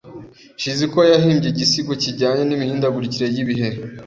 Shizuko yahimbye igisigo kijyanye n'imihindagurikire y'ibihe.